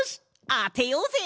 あてようぜ！